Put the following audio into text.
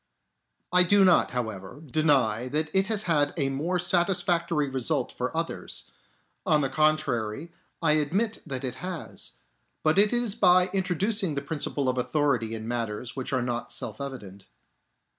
I do not, however, deny that it has had a more satisfactory result for others ; on the contrary, I admit that it has ; but it is by introducing the principle of authority in matters which are not self evident.